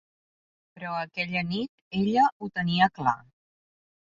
Però aquella nit ella ho tenia clar.